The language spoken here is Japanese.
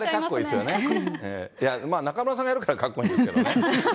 いや、中村さんがやるからかっこいいんですけど。